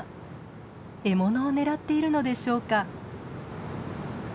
獲物を狙っているのでしょうか？